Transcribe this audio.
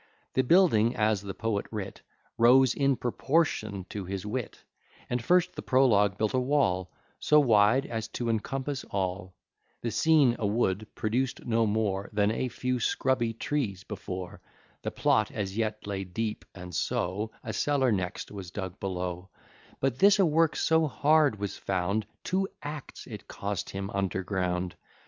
The building, as the Poet writ, Rose in proportion to his wit And first the prologue built a wall; So wide as to encompass all. The scene, a wood, produc'd no more Than a few scrubby trees before. The plot as yet lay deep; and so A cellar next was dug below; But this a work so hard was found, Two acts it cost him under ground.